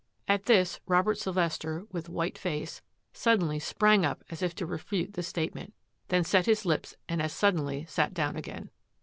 At this Robert Sylvester, with white face, sud denly sprang up as if to refute the statement, then set his lips and as suddenly sat down again.